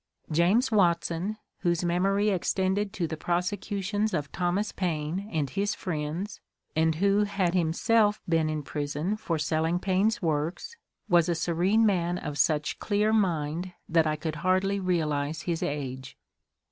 James Watson, whose memory extended to the prosecutions of Thomas Paine and his friends, and who had himself been in prison for selling Paine's works, was a serene man of such clear mind that I could hardly realize his age.